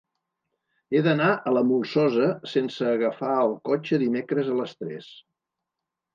He d'anar a la Molsosa sense agafar el cotxe dimecres a les tres.